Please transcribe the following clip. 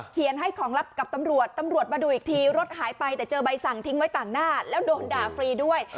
ให้ของลับกับตำรวจตำรวจมาดูอีกทีรถหายไปแต่เจอใบสั่งทิ้งไว้ต่างหน้าแล้วโดนด่าฟรีด้วย